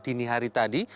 dini hari tadi